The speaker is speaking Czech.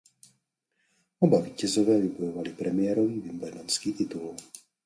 Oba vítězové vybojovali premiérový wimbledonský titul.